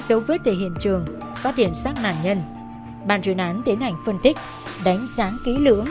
dấu vết về hiện trường phát hiện sát nạn nhân bàn chuyên án tiến hành phân tích đánh sáng kỹ lưỡng